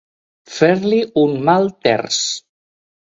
Fer-li un mal terç.